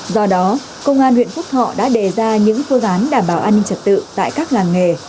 do đó công an huyện phúc thọ đã đề ra những phương án đảm bảo an ninh trật tự tại các làng nghề